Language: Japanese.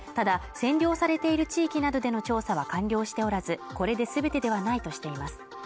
ただ占領されている地域などでの調査は完了しておらずこれで全てではないとしています